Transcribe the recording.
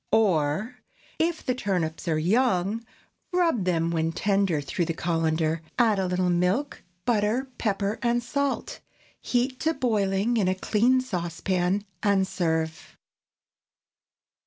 Or, If the turnips are young, rub them when tender through the cullender; add a little milk, butter, pepper, and salt; heat to boiling in a clean saucepan and serve.